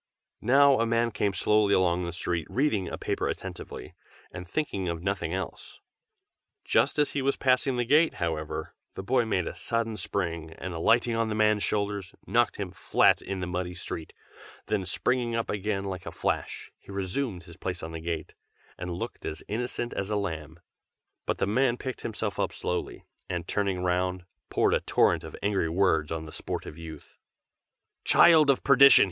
Now a man came slowly along the street, reading a paper attentively, and thinking of nothing else. Just as he was passing by the gate, however, the boy made a sudden spring, and alighting on the man's shoulders, knocked him flat in the muddy street; then springing up again like a flash, he resumed his place on the gate, and looked as innocent as a lamb. But the man picked himself up slowly, and turning round, poured a torrent of angry words on the sportive youth. "Child of perdition!"